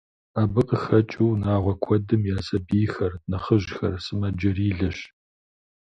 Абы къыхэкӏыу унагъуэ куэдым я сабийхэр, нэхъыжьхэр сымаджэрилэщ.